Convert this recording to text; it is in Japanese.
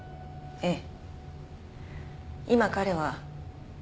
ええ。